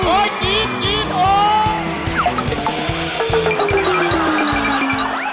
โอ๊ยยี๊ดยี๊ดโอ๊ย